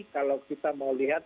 kalau kita mau lihat